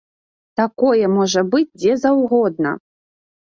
Такое можа быць дзе заўгодна!